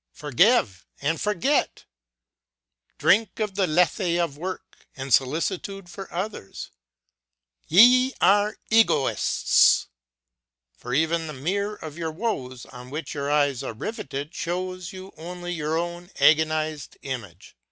Forgive and forget I Drink of the lethe of work and solicitude for others ! Ye are egoists ! For even the mirror of your woes on which your eyes are riveted shows you only your own agonized image.